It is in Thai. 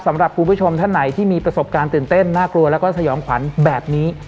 สำหรับคุณผู้ชมท่านไหนที่มีประสบการณ์ตื่นเต้นน่ากลัวแล้วก็สยองขวัญแบบนี้